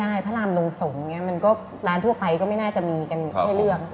ไม่ได้พระรามลงส่งร้านทั่วไปก็ไม่น่าจะมีกันให้เลือก